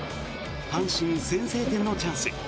阪神、先制点のチャンス。